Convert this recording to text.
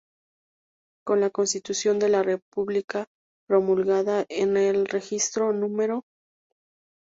Con la Constitución de la República promulgada en Registro Oficial No.